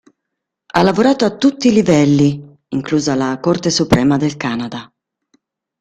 Ha lavorato a tutti i livelli, inclusa la Corte Suprema del Canada.